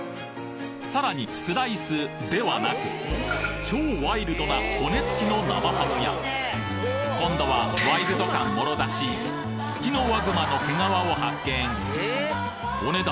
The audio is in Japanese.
さらにスライスではなく超ワイルドな骨付きの生ハムや今度はワイルド感モロ出しツキノワグマの毛皮を発見お値段